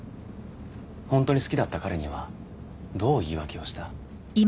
本当に好きだった彼にはどう言い訳をした？